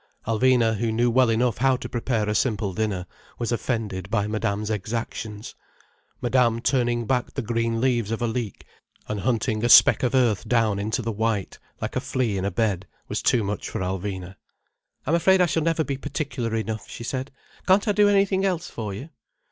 Alvina, who knew well enough how to prepare a simple dinner, was offended by Madame's exactions. Madame turning back the green leaves of a leek, and hunting a speck of earth down into the white, like a flea in a bed, was too much for Alvina. "I'm afraid I shall never be particular enough," she said. "Can't I do anything else for you?"